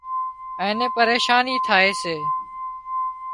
اين پريشانِي ٿائي سي